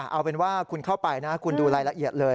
เอาเป็นว่าคุณเข้าไปนะคุณดูรายละเอียดเลย